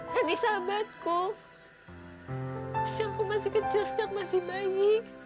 rani sahabatku sejak aku masih kecil sejak masih bayi